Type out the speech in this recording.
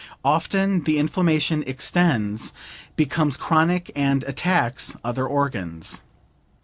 Often the inflammation extends, becomes chronic and attacks other organs.